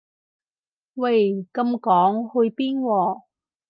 喂咁趕去邊喎